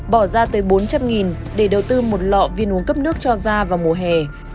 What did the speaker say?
bỏ ra tới bốn trăm linh để đầu tư một lọ viên uống cấp nước cho da vào mùa hè